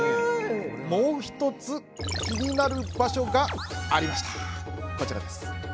もう１つ気になる場所がありました。